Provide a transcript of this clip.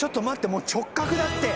もう直角だって」